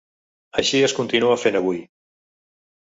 Així es continua fent avui.